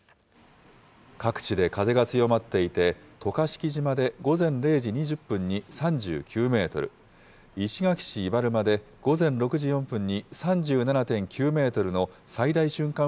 各地で風が強まっていて、渡嘉敷島で午前０時２０分に３９メートル、石垣市伊原間で午前６時４分に３７．９メートルの最大瞬間